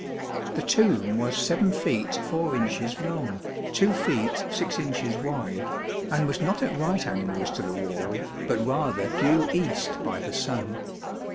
The tomb was 7 feet 4 inches long, 2 feet 6 inches wide, and was not at right angles to the wall, but rather due east by the sun.